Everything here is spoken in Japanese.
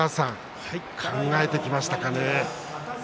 考えてきましたかね。